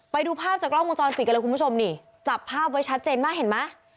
ไปดูภาพจากร่องของจอมฝีกกันเลยคุณผู้ชมนี่จับภาพไว้ชัดเจนมาเห็นมะ